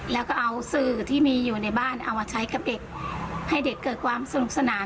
แล้วก็เอาสื่อที่มีอยู่ในบ้านเอามาใช้กับเด็กให้เด็กเกิดความสนุกสนาน